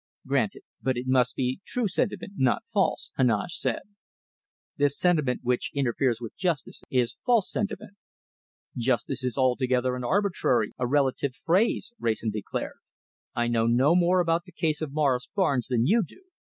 "Granted; but it must be true sentiment, not false," Heneage said. "This sentiment which interferes with justice is false sentiment." "Justice is altogether an arbitrary, a relative phrase," Wrayson declared. "I know no more about the case of Morris Barnes than you do.